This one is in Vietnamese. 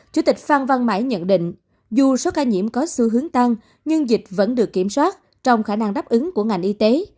chủ tịch phan văn mãi nhận định dù số ca nhiễm có xu hướng tăng nhưng dịch vẫn được kiểm soát trong khả năng đáp ứng của ngành y tế